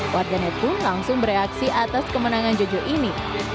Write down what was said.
warganet pun langsung bereaksi atas kemenangan jojo ini